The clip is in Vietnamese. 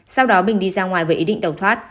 sau đó bình đi ra ngoài với ý định tẩu thoát